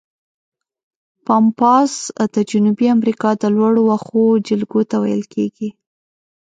پامپاس د جنوبي امریکا د لوړو وښو جلګو ته ویل کیږي.